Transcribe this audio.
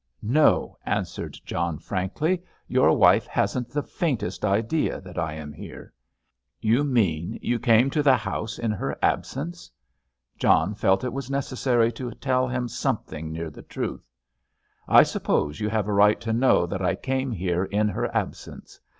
"No," answered John frankly. "Your wife hasn't the faintest idea that I am here." "You mean you came to the house in her absence?" John felt it was necessary to tell him something near the truth. "I suppose you have a right to know that I came here in her absence.